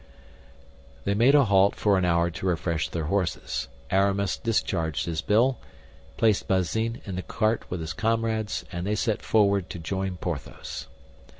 They made a halt for an hour to refresh their horses. Aramis discharged his bill, placed Bazin in the cart with his comrades, and they set forward to join Porthos.